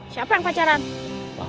siapa yang pacaran